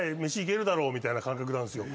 みたいな感覚なんすよ。